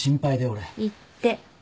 行って。